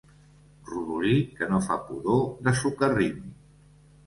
Rodolí que no fa pudor de socarrim.